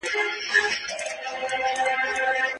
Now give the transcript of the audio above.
تاسې له خپلو موخو خبر ياست؟